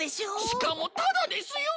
しかもタダですよ！